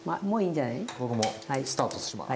じゃ僕もスタートします。